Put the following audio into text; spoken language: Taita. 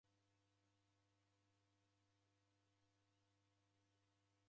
Poilwa ni ituku jako!